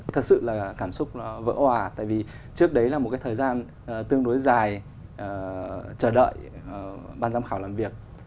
thật sự là cảm xúc vỡ hoà tại vì trước đấy là một thời gian tương đối dài chờ đợi ban giám khảo làm việc